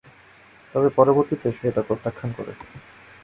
তবে পরবর্তীতে সে তা প্রত্যাখ্যান করে।